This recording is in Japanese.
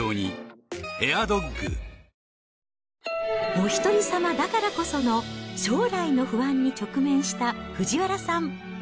おひとりさまだからこその将来の不安に直面した藤原さん。